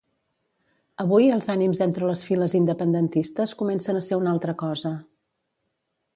Avui els ànims entre les files independentistes comencen a ser una altra cosa.